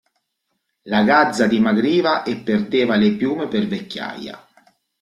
La gazza dimagriva e perdeva le piume per vecchiaia.